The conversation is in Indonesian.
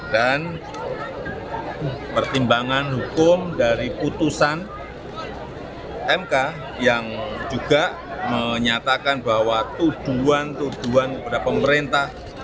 dan pertimbangan hukum dari putusan mk yang juga menyatakan bahwa tuduhan tuduhan kepada pemerintah